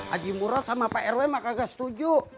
aji murad sama pak rw mah kagak setuju